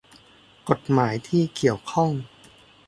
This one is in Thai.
กฎหมายที่เกี่ยวข้อง